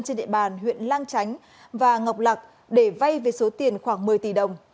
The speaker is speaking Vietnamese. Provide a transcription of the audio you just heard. trên địa bàn huyện lang chánh và ngọc lạc để vay về số tiền khoảng một mươi tỷ đồng